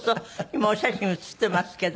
今お写真映ってますけど。